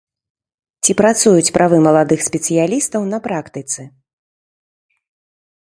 Ці працуюць правы маладых спецыялістаў на практыцы?